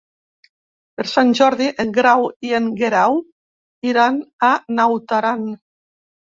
Per Sant Jordi en Grau i en Guerau iran a Naut Aran.